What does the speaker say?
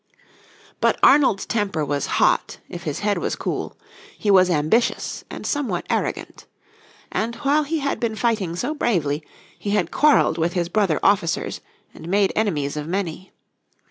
But Arnold's temper was hot if his head was cool, he was ambitious and somewhat arrogant. And while he had been fighting so bravely he had quarreled with his brother officers, and made enemies of many.